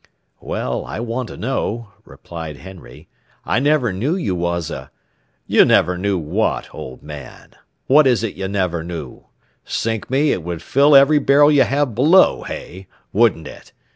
"Well, I want to know," replied Henry. "I never knew you was a " "You never knew what, old man? What is it ye never knew? Sink me, it would fill every barrel you have below, hey? wouldn't it?